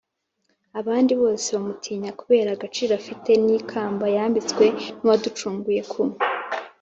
abandi bose bamutinya, kubera agaciro afite n’ikamba yambitswe n’uwaducunguye ku